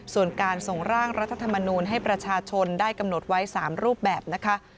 ส่วนการส่งร่างรัฐธรรมนูลให้ประชาชนได้กำหนดไว้๓รูปแบบนะคะ